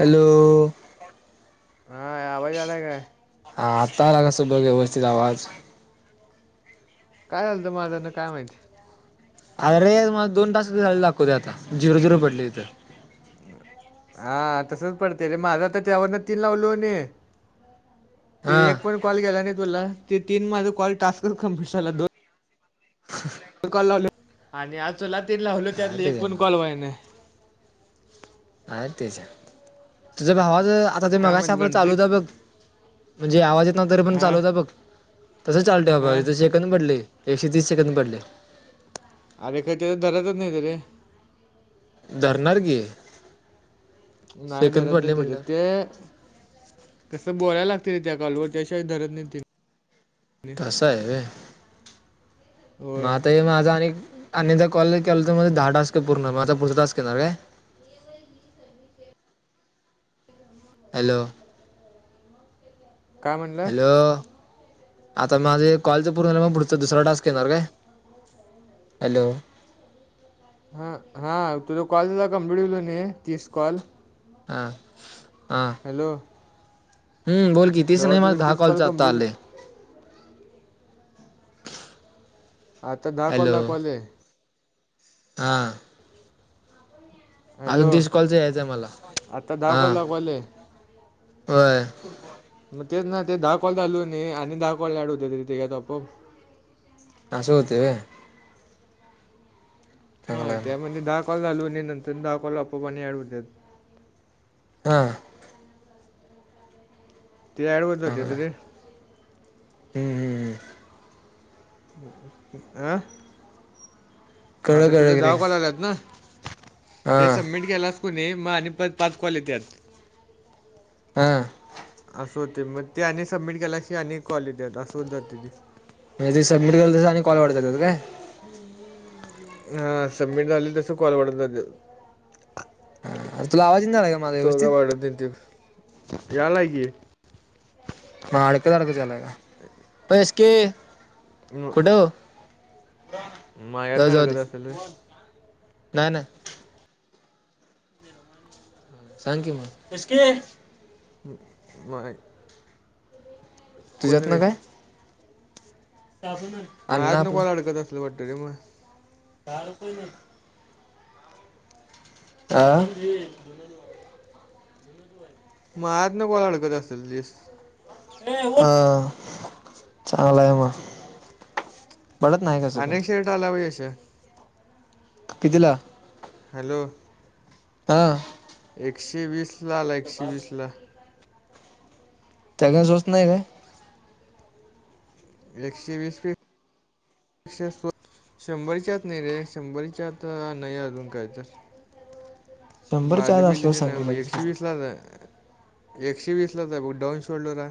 Hello हा आवाज आलाय काय हा आता आला कसं बघ व्यवस्थित आवाज काय झालत माझंना काय माहिती अरे रे मला दोन तास झाले दाखवते आता जीरो जिरो पडली तिथं हा तसच पडते रे माझं आ तर त्यावरना तीन लावलो हो ते हा एक पण कॉल केला नाही तुला ते तीन माझा कॉल टास्क कमप्लीट झाला दोन अ कॉल लावल आणि आज चोला त लावल त्यातलं अरे एक त्याच्या पण मग कॉल व्हायने अर तेच तुझ भावाच आता ते काय मगाशी माहित आपलं गणतिक चालूत बघ म्हणजे आवाज येत ना तरी पण हा चालू होता बघ तस हा चालतेजे तसे शकन पडले एकशे तीस सेकंद पडले अरेखर त्याच्या धराचच नाही त रे धरणार गी नाही धरत नाही त तर म्हटलं ते कस बोलायला लागते र त्या कालवर त्याशिय धरत नाही त तसं आहे होय मता हे माझा आणि आणिदा कॉल केला तर मध्ये दहा तासक पूर्णार माझता पुढचा तासक करणार काय ह हॅलो काय म्हणलास हॅलो आता माझे कॉलच पूर्ण झाला म पुढ तर दुसरा टास्क येणार काय हॅलो हा हा तुझ कॉलला कमप्लीट होल नाही तीस कॉल हा हा हॅलो हम् बोल कि तीच जवळ नाही माझ तुझे दहा तीस कॉलच कॉल आता कम्प्लीट आले आता दाखव हॅलो द कवाले हां हॅलो अजून दिश कॉलच यायचं आहे मला आता दहा हा कॉल दाखवाले होय मग तेच ना ते दहा कोल चालू आणि दहा कोल लाड होते तिथेघता आपप हां सो होतेय चांगलं हा आहे मग त्यामध्ये दहा कॉल झालू आणि नंतर दहा कॉल आपोप आणि आडवतात हा ती ॲडवस होते त रे हम् हम अं कळलं आता तुझ, कळलं की रे दहा कॉल आलात ना ते हां सबमिट केलं अस कोुणी म आणि पाच कॉल येत हा असं होते मग ते अ सबमिट केल्याशीि अ कॉल य त असं होतातते ती म्ह ते सबमिट करलस आणि कॉलढत काय हा समिट झाले तसं कोलवड अरे तुला आवाज येईना झालाय माझा तो का व्यवस्थित? वाढत ते यालाय की मडक तडक चला पक म माय्या जाऊ जाऊ दे नडकत असल र नाही नाही सांग कि मसकी ् मग तुझ्यात ना काय तजून मलाज न कोललाडकत असली पटरी मग काळ कोय नाही आ म आज न कोोला अडकत असेल दिस हह चांगला आहे मग पडत नाही कसं पण अनेक शरट आला व यश कितीला हॅलो हा एकशे वीस ला आला एकशे वीस ला त्या कायच होत नाही काय एकशे वीस फी शंभरच्याच नाही रे शंभरीच्यात नाही अजून काय तर शंभरच्या बारली आत बिले असल्यावर ते ना सांगते लगेच एकशे वीसलात एकशे वीस लाच बु डाऊन शोल्डर ह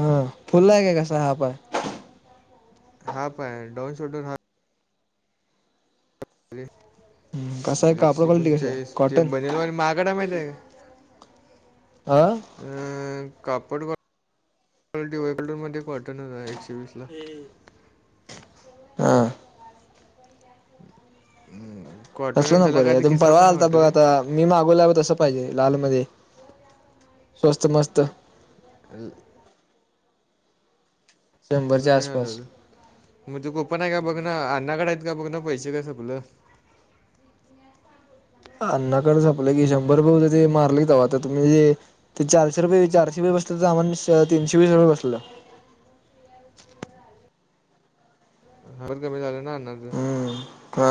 हा फुल ला आहे काय कसा, हाफ हाय हा प डन शोडर हा कसा आहे अर कापड एकशे क्वालिटी कसा आहे पंचाळीस ते कॉटन बनेल मागाडा माहित आहे का आह अ कापड क वर मध्ये कॉटन हो एकशे वीस ला हा ह हम्म तसल नको र तु परवा आलता बघ आता मी मागवल्यावर तसं पाहिजे लाल मध्ये स्वस्त मस्त अ त शंभरच्या नाही आसपास आलं मगजे कोपन आहे का बघ ना अण्णाकड आहेत का बघ ना पैसे काय सपलं अण्नाकडेंपलं की शंभर रुपये हो ते मारले का आता तुम्ही जे ते चारशे रुपये चारशे रुपयेस तर आमण तीनशे वीस रुपये बसलं हर कमी झालं ना अ हम्म हा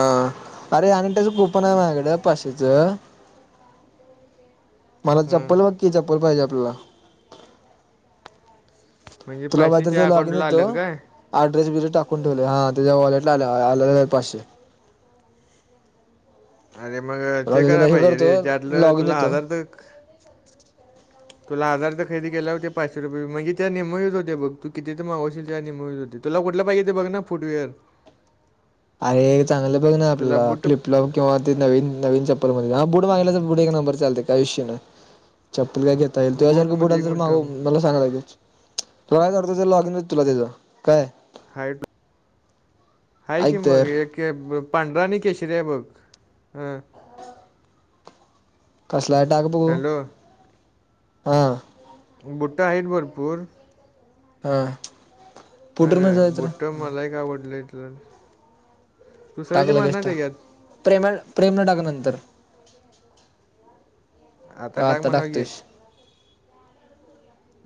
अरे आणि त्याच कुपन आहे माझकडं पाचशे च मला हा चप्पल वगकी चप्पल पाहिजे आपल्याला म्हणजे तुला पैसे बाजर त्या जा आगेन अकाउंटला येतो आलेत काय अड्रेस बिगरेस टाकून ठेवले हां त्याच्या वॉलेटला आ आले पाचशे अरे मग ते राजा तला करायला हे पाहिजे करतो रे त्यातलं लॉगिन तुला येतो हजार तर तुला आजार तर खरेदी केला होते पाचशे रुपये म्हजे त्या निमहीच होते बघ तू किती तर मागवशील त्या निेमही होते तुला कुठ पाहिजेते बघ ना फुटवेअर अरे चांगले बघ ना तुला आपल्याला बूट फ्लिपलॉप किंवा ते नवीन नवीन चप हा बुडगयला तर बुड नंबर चालतेयुष्या नाही चप्ल का घेता येईल त्यावसारखं बूटमध्ये बुडाल एक तर मिनिट माग थांब मला चांगेच तुला कायचवडत लॉग इन तुला त्याचं काय हाड आहेा की ऐक मग तर एक पांढरा आणि केशरी आहे मग अं कसला टाक बघू हॅलो हा बुट्टा आहेत भरपूर हा ह काय बुट्ट मला एक का आवडल इतलं टाकलं गेस ट प्रेम प्रेम न टाक नंतर आता का टडाग म्हणाव घे टाकतोयस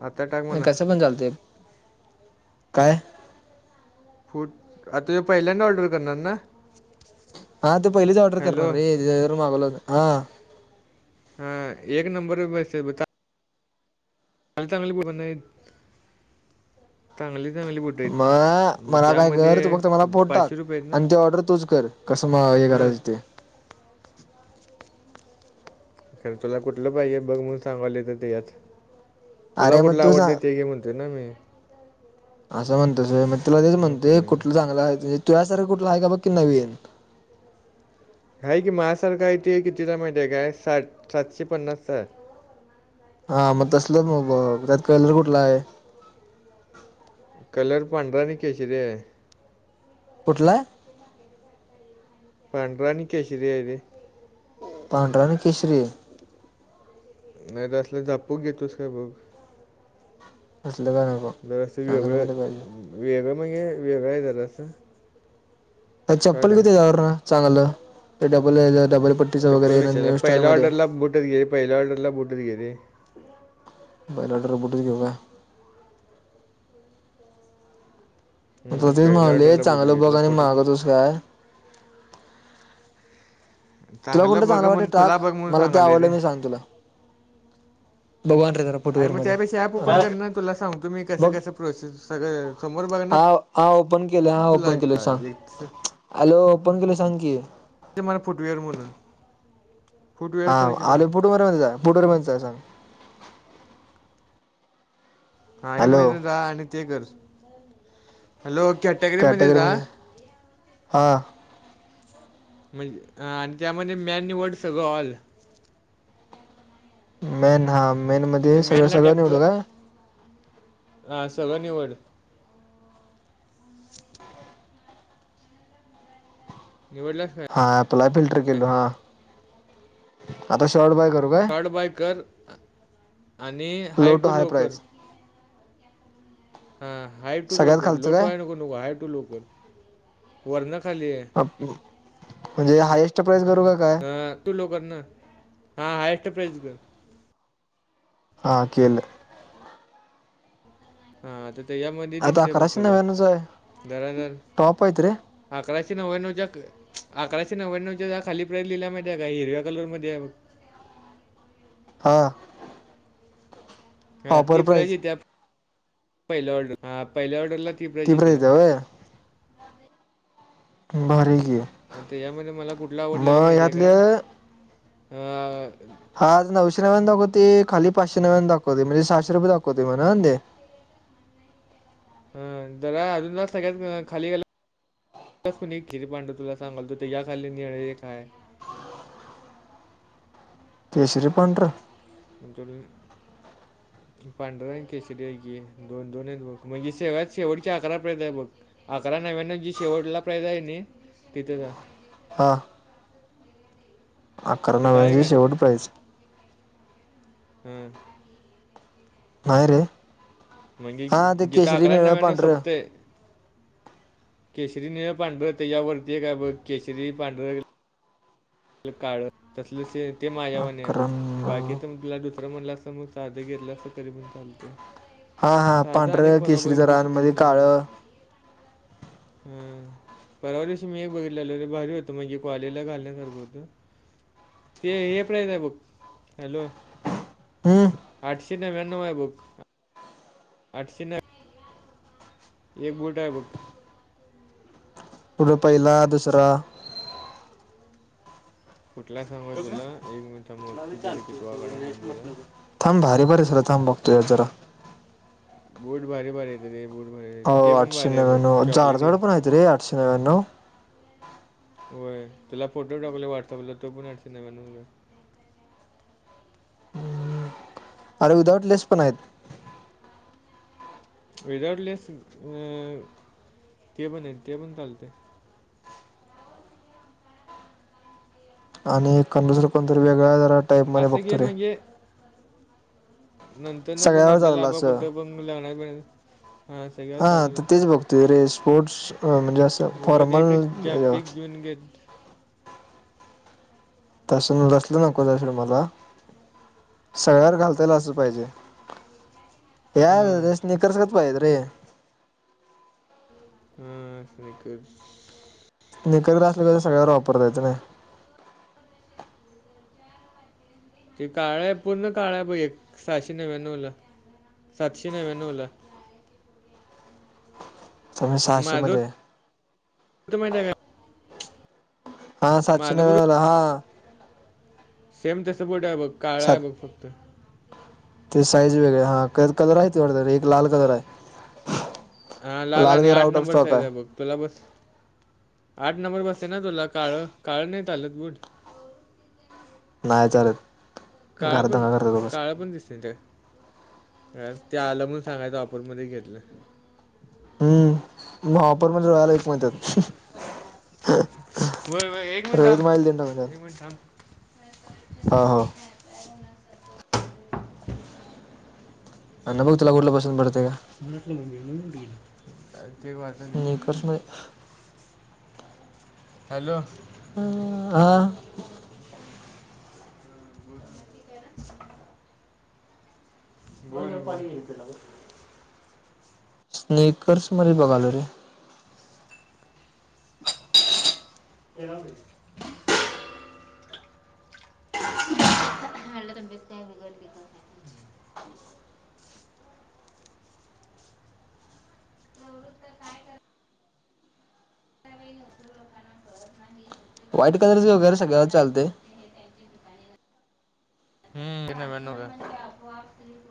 आता टाक म्हणा कस पण चालत काय फूट आता तुझ पहिल्यांदा ऑर्डर करणार ना हा ते पहिलीच ऑर्डर हॅलो करणार रे मागला हो हा हा एक नंबर पे वैसे ब. ांग चांगली ब चांगली चांगली बट मग मला काय कर तू त्यामध्ये फक्त मला फोट टाक पाचशे रुपये आहेत ना आणि ते ऑर्डर तूच कर कसं मग हे हा. करायचं ते खरं तुला कुठलं पाहिे बघ मण सांगाले तर ते यात. तुला अरे मग कुठले तू आवडते ते सांग गे म्हणते ना मी. असं म्हणत स मग तला तेच म्हणतेय नोकरी कुठलं चांगलं आहे तु्यासारखं कुठलं आहे का बघ की नवीन. हा की माझासारखा आहेेत आहे कितीिला माहिती आहे काय साठ सातशे पन्नास स हा मग तसलच मग त्यात कलर कुठला आहे. कलर पणरानी केचर कुठला? पडराणी केशरी आहेर. पांड्रा ना केशरी. नाही त असलं झापू घेतोस काय बघ. अससलं काण. तरर असं वेगळं वेगळं म्हणजे वेगळं आहे जर असं. चप्पल किती त्यावर ना चांगलं ते डबल डबल.. पट्टीचं चप्पल वगैरे कशा न्यू पहिल्या स्टाईलमध्ये ऑर्डरला बुटच गेले पहिल्या ऑर्डरला बुटच गेलेे.. बयलाडर र बोटर घ हो का.. हम्म, तेच पहिल्या म्हगले ऑर्डरला बुटच चांगलं घेतला बघा आणि फोटो बघ महागं तुस काय. तुला कोणत चांगलं च बघ अनव वाटते म्हणून तुला टाक बघ म्हणून मला ते सांगाले रे आवडलं मी सांग तुला.. भगवान र. अर मग त्यापेशी ऍप ओपन करणार ना तुला सांग तुम्ही कसं बघ कसं प्रोसेस सगळं समोर बघाणार. हा हा ओपन केलं हा ओपन केलं सांग हॅलो ओपन केलं सांग की.. मला फुटवेअर म्हणून. फुटवेअर हा सर्च मार आले पुटुबमध्येध्येच आहे पुुटुमध्येच आहे सांग.. हा म हॅलो जा आणि ते कर हॅलो कॅटेगरी मध्ये जा हां. म्हणजे आणि त्यामध्ये मॅन वड सगळं ऑल. मेन हा मेन तिथे मध्ये सगळं मॅनला सगळं निवडू का. हां सगळं निवड. निवडला. हा ला फिल्टर केल हा आता शॉर्ट बाय करू. काय ारड बाय कर आणि हाय टू लो कर.. हा हाय टू सगळ्यात लोकरल खालचं लोटू आहे काय नको नको हाय टू लोकरल वर न खाली आहे. अ म्हणजे हायएस्ट प्राइस करू का काय. ह तू लवकर ना हा हायस्ट प्राज कर.. हा केले. हा तर त्याच्यामध्ये आता दिसतेय बुक अकराशे तुला नव्याण्णवच आहे जरा जर.. टॉप आहेत रे आकराशीी ना होयन जक.. अकराशे नव्याण्णवच्या खाली प्राईज लिहिल्यामध्ये आहे का हिर्या कलरमध्येध्ये.. हां. हा ती ऑफर प्राज प्राईस येत पहि ऑर्डर हा पहिल्या ऑर्डरला. ती प्राईज तीब्र येत्या यव. भरे घ. मग यामध्ये मला कुठला आवडलेला माहिती आहे काय अ हा आ नऊशेव्या दाखवते खाली पाचशेव्याने दाखव म्हणजे सहाशे रुपय दाखवते म्हणा ते.. ह जरा अजून सगळ्यात खाली गे.. पण एक खिरीपांडू तुला सांगालत या खाली निर्णय काय.. केसरी पडर.. म्हमच्या पांढरा केसरी आहेक आहे. दोन दोन आहेत बघ, म्हणजे सगळ्यात शेवटच्या अकरा पर्यंत आहे बघ. अकरा नव्याण्णव जी शेवटला प्राईज आहे ना तिथे जा. हां अकरा तिथं आहे नव्व्यान्नवची काय शेवट प्राईज. हम्म् नाही रे. मग घे की. हा ते जिथं केशरी अकरा निळं नव्यानव पांढरं सपतय केसरी, निळं, पांढरं त्याच्या वरती एक आहे बघ, केशरी, पांढरं काळं, तसलं ते माझ्यावानी आहे बघ, अकरा बाकी नव्याण्णव तर तुला दुसरं म्हणला समज साधं घेतल असतं तरी पण चालते. हा हा साधं आणि पांढरं परवा बघ केशरी एक जरा आणि दिवशी मध्ये बघितलेली. काळं हा, परवा दिवशी मी एक बघितलेलोे रे भारी होतं, म्हणजे कॉलेजला घालण्यासारखं हो ते हे प्राईज आहे बघ, हॅलो! हम्म आठशे नव्याण्णव आहे बघ. आठशे नव्व्य एक बूट आहे बघ पुढं पहिला, दुसरा [unintelligible] कुठलाय सांगू काय तुला, एक मिनिट थांब बघू दे कितवा गड्या नंबर आहे. थांब, भारी भारी [unintelligible] थांब बघतोया जरा. बूट भारी भारी आहेत, ते बूट भारी हो ते पण आठशे भारी आहे बघ, नव्याण्णव जाड चॉकलेटी जाड पण आहेत रे आठशे नऊ होय, तुला फोटो टाकले व्हॉट्सअपल तो पण आठशे नव्व्यान्नव ला हाय. [unintelligible] अरे विदाऊट लेस पण आहेत. विदाउट लेस, अ ते पण आहे ते पण चालते. आणि एखाद जरा पण तर वेगळा जरा टाईपमध्ये असं घे बघतो रे म्हणजे, नंतर ना पण सगळ्यावर आपल्याला चाललं आबा असं कुठं पण लग्नात बिगणात हा तर तेच बघतोय रे, स्पोर्ट्स अ म्हणजे असं उगाच फॉर्मल एकच [unintelligible] तस तसलं नको [unintelligible] मला. सगळ्यात घालता येईल असं पाहिजे, हां यास स्निकर्सगत पाहिजेत रे. हा, स्निकर्स स्निकर्स जर असल्यावर सगळ्यावर वापरता येतं ना. ते काळं आहे पूर्ण काळं आहे ब एक, सहाशे नव्याण्णवला सातशे नव्याण्णवला. तर मी सहाशे माझं मध्ये आहे तु माहितीय का हा सातशे माझं बुड नव्यानवला हा. सेम तर बूट आहे बघ, काळा आहे बघ फक्त. त्याज साईज वेगळं आहे, हा कलर आहे तेवढा एक लाल कलर आहे. हा लाल आणि कलर आठ out of number stock size आहे बघ, तुला बस आठ नंबर बसते ना तुला काळं, काळं नाही चालत बूट? नाय चालत. काळं घर पण, दंगा करतात उगाच काळं पण दिसतात त्यात. ते आलं म्हणून सांगायचं, ऑफरमध्ये घेतलं. हम्म, मग ऑफरमध्ये राहिला ये की म्हणत्यात. व्हय व्हय, एक मिनिट थांब, रोळीत माईल देऊन एक मिनिट थांब. हा हा. अण्णा बघ तुला कुठला पसंत पडतंय का? मटला मम येणा मुला स्कृष्ण हॅलो ह हा पाहि स्नेकर्स मध्ये बघाल रे ए व व्यतप ज का काय कर ो प्रना प्र मागे व्हाईट कलर वैरे सग्याला चालते हम्म क मॅनू का